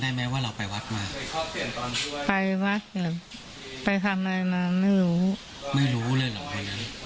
เดี๋ยวไปดูคลิปคุณแม่หน่อยค่ะ